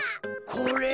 これ？